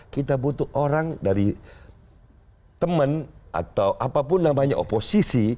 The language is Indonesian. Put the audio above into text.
kita butuh orang dari teman atau apapun namanya oposisi